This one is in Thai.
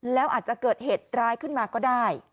แล้วอาจจะเกิดเหตุร้ายขึ้นมาก็ได้